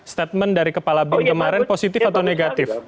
statement dari kepala bin kemarin positif atau negatif